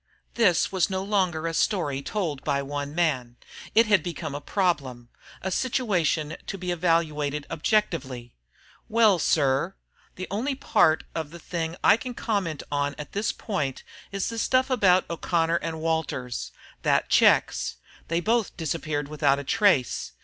This was no longer a story told by one man; it had become a problem, a situation to be evaluated objectively. "Well, sir ... the only part of the thing I can comment on at this point is the stuff about O'Connor and Walters. That checks. They both disappeared without a trace.